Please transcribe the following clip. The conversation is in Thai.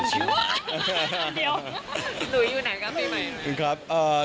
หลุยล่ะไงนะด้วยล่ะ